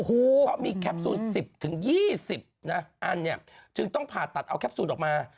เพราะมีแคปซูล๑๐๒๐นะอันเนี่ยจึงต้องผ่าตัดเอาแคปซูลออกมา